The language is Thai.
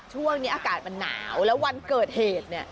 ช่วงนี้อากาศมันหนาวแล้ววันเกิดเหตุเนี่ย